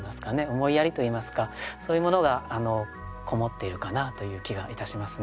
思いやりといいますかそういうものがこもっているかなという気がいたしますね。